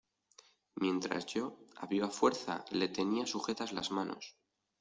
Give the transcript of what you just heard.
mientras yo, a viva fuerza le tenía sujetas las manos.